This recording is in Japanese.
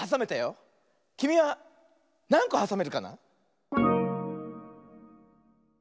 きみはなんこはさめるかな？